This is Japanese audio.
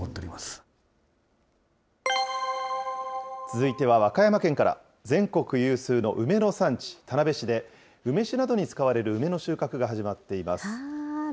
続いては和歌山県から、全国有数の梅の産地、田辺市で、梅酒などに使われる梅の収穫が始まっています。